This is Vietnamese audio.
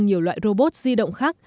nhiều loại robot di động khác